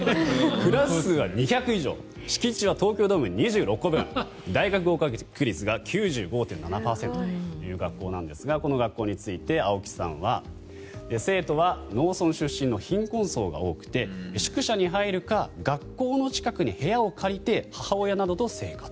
クラス数は２００以上敷地は東京ドーム２６個分大学合格率が９５．７％という学校ですがこの学校について青樹さんは生徒は農村出身の貧困層が多くて宿舎に入るか学校の近くに部屋を借りて母親などと生活。